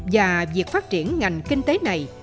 và việc phát triển ngành kinh tế này